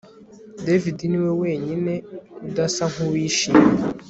David niwe wenyine udasa nkuwishimye